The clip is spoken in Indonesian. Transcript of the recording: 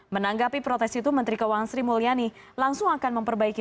menanggapi protes itu menteri keuangan sri mulyani langsung akan memperbaiki